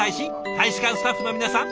大使館スタッフの皆さん